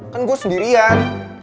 kan gue sendirian